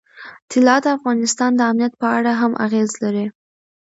طلا د افغانستان د امنیت په اړه هم اغېز لري.